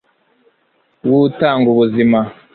w'utang'ubuzima